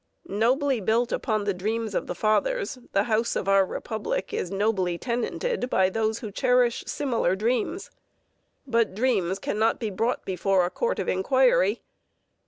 Nobly built upon the dreams of the Fathers, the house of our Republic is nobly tenanted by those who cherish similar dreams. But dreams cannot be brought before a court of inquiry.